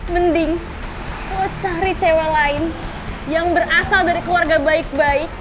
mending kau cari cewa lain yang berasal dari keluarga baik baik